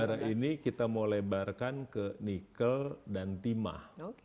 darah ini kita mau lebarkan ke nikel dan timah